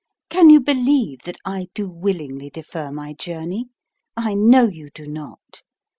Can you believe that I do willingly defer my journey? I know you do not.